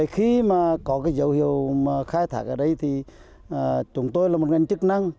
khi mà có cái dấu hiệu khai thác ở đây thì chúng tôi là một ngành chức năng